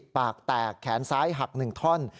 ปากแตกแขนซ้ายหัก๑ท่อน